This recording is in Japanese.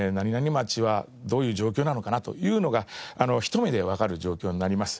町はどういう状況なのかなというのがひと目でわかる状況になります。